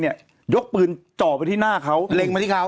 ยกปืนจ่อไปที่หน้าเขาเล็งมาที่เขา